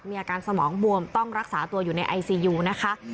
มีอาการสมองบวมต้องรักษาตัวอยู่ในไอซียูนะคะ